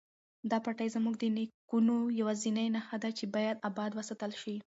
دا پټی زموږ د نیکونو یوازینۍ نښه ده چې باید اباد وساتل شي.